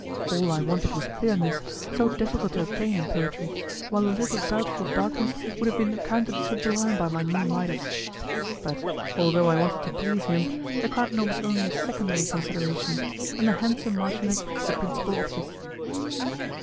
All I wanted was clearness, so difficult to obtain in poetry, while a little doubtful darkness would have been accounted sublime by my new Midas. But, although I wanted to please him, the cardinal was only a secondary consideration, and the handsome marchioness the principal object.